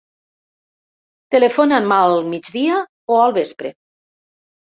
Telefona'm al migdia o al vespre.